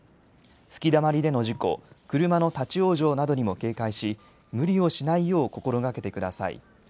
吹きだまりでの事故、車の立往生などにも警戒し無理をしないよう心がけてください。